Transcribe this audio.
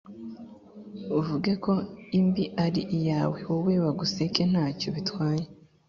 uvuge ko imbi ari iyawe, wowe baguseke nta cyo bitwaye’.